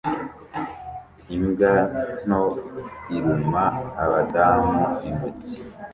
Imbwa nto iruma abadamu intoki